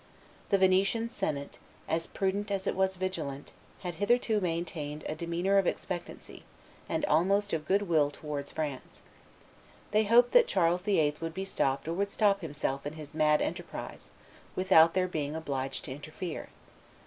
The Venetian senate, as prudent as it was vigilant, had hitherto maintained a demeanor of expectancy and almost of good will towards France; they hoped that Charles VIII. would be stopped or would stop of himself in his mad enterprise, without their being obliged to interfere.